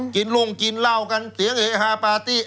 กินร่วงกินเหล้ากันเตี๋ยวเฮฮาปาร์ตี้